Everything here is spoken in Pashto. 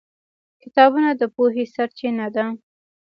کتابونه د پوهې سرچینه ده.